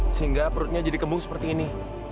sehingga perutnya jadi kembung seperti ini